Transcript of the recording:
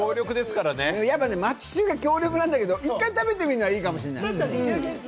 町中華、強力なんだけれども、１回食べてみるのもいいかもしれない。